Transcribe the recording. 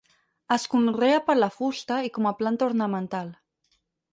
Es conrea per la fusta i com a planta ornamental.